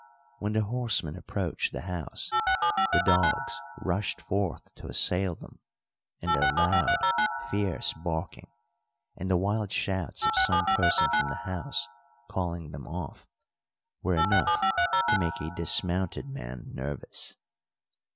When the horsemen approached the house the dogs rushed forth to assail them, and their loud, fierce barking, and the wild shouts of some person from the house calling them off, were enough to make a dismounted man nervous.